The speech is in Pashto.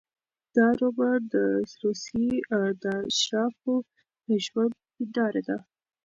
دا رومان د روسیې د اشرافو د ژوند هینداره ده.